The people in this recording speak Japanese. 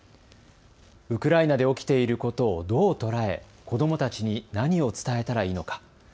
ウクライナで起きていることをどう捉え、子どもたちに何を伝えたらいいのか。